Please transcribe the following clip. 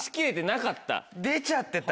出ちゃってた。